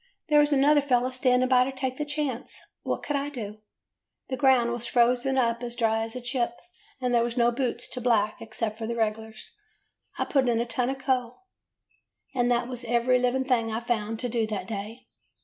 There was another fellow standing by to take the chance. What could I do? The ground was frozen up as dry as a chip, and there was no boots to black except for the reg'lars. I put in a ton of coal, and that was every living thing I found to do that day.